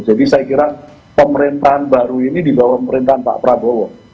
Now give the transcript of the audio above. jadi saya kira pemerintahan baru ini di bawah pemerintahan pak prabowo